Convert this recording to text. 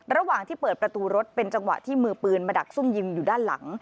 ระหว่างที่เปิดประตูรถเป็นจังหวะที่มือปืนมาดักซุ่มยิงอยู่ด้านหลัง